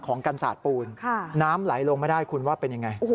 ของกันศาสตร์ปูนน้ำไหลลงไม่ได้คุณว่าเป็นยังไง